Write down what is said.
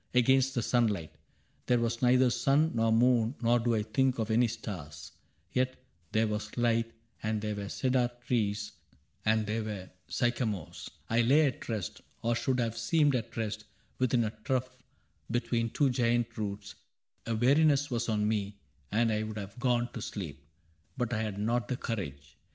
Against the sunlight. There was neither sun Nor moon, nor do I think of any stars ; Yet there was light, and there were cedar trees, And there were sycamores. I lay at rest. Or should have seemed at rest, within a trough Between two giant roots. A weariness 44 CAPTAIN CRAIG Was on me, and I would have gone to sleep, — But I had not the courage.